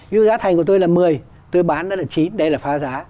ví dụ giá thành của tôi là một mươi tôi bán đó là chín đây là phá giá